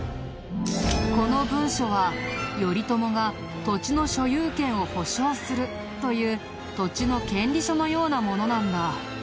この文書は頼朝が土地の所有権を保証するという土地の権利書のようなものなんだ。